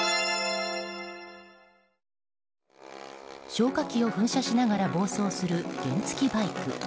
消火器を噴射しながら暴走する原付きバイク。